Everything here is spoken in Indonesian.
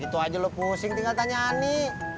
itu aja lo pusing tinggal tanya ani